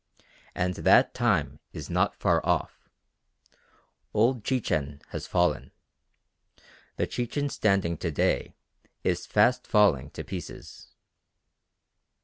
And that time is not far off. Old Chichen has fallen. The Chichen standing to day is fast falling to pieces.